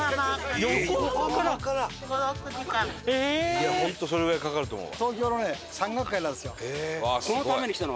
いや本当それぐらいかかると思うわ。